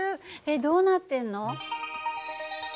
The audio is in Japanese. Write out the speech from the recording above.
えっどうなってんの？